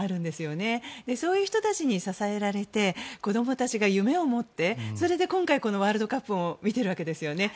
そういう人たちに支えられて子供たちが夢を持って今回ワールドカップを見ているわけですね。